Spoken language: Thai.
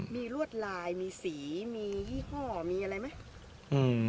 มีลวดลายมีสีมียี่ห้อมีอะไรไหม